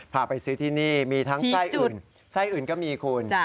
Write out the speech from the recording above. พาไปซื้อที่นี่มีทั้งไส้อื่นไส้อื่นก็มีคุณ